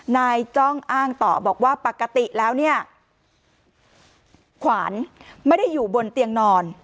จ้องอ้างต่อบอกว่าปกติแล้วเนี่ยขวานไม่ได้อยู่บนเตียงนอน